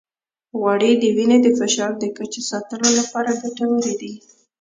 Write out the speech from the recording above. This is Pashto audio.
غوړې د وینې د فشار د کچې ساتلو لپاره ګټورې دي.